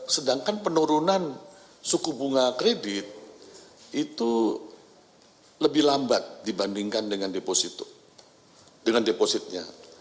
sedangkan penurunan suku bunga kredit itu lebih lambat dibandingkan dengan deposito dengan depositnya